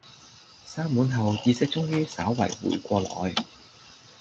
三碗後意識終於稍為回過來